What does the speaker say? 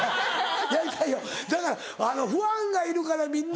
やりたいよだからファンがいるからみんな。